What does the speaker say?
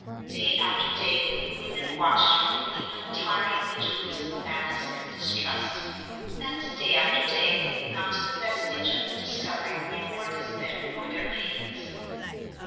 Day after day the women watched her with the untiring vigilance of malice and distrust, and day after day not the vestige of a discovery rewarded them for their pains.